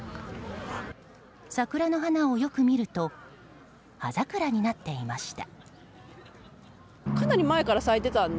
桜の花をよく見ると葉桜になっていました。